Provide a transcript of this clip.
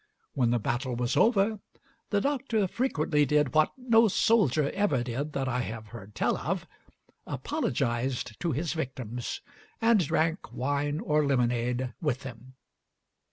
When the battle was over, the Doctor frequently did what no soldier ever did that I have heard tell of, apologized to his victims and drank wine or lemonade with them.